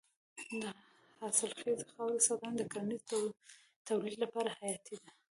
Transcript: د حاصلخیزې خاورې ساتنه د کرنیزې تولید لپاره حیاتي ده.